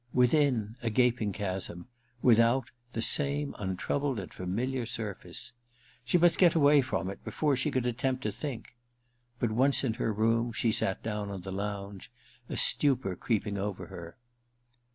Within, a gaping chasm ; without, the same untroubled and familiar surface. She must get away from it before she could attempt to think. But, once Ill THE RECKONING 221 in her room, she sat down on the lounge, a stupor creeping over her.